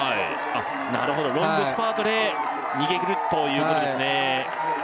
あっなるほどロングスパートで逃げ切るということですね